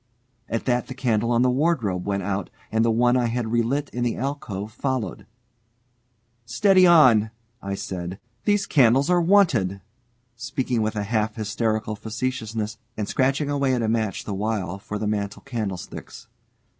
At that the candle on the wardrobe went out, and the one I had relit in the alcove followed. "Steady on!" I said. "These candles are wanted," speaking with a half hysterical facetiousness, and scratching away at a match the while for the mantel candlesticks.